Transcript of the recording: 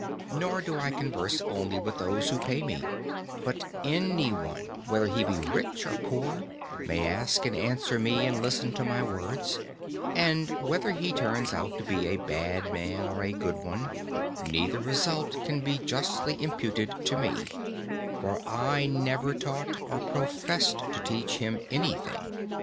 Nor do I converse only with those who pay; but any one, whether he be rich or poor, may ask and answer me and listen to my words; and whether he turns out to be a bad man or a good one, neither result can be justly imputed to me; for I never taught or professed to teach him anything.